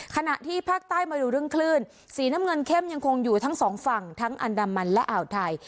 ขณะที่ภาคใต้มาดูเรื่องคลื่นสีน้ำเงินเข้มยังคงอยู่ทั้งสองฝั่งทั้งอันดามันและอ่าวไทย